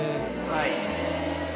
はい。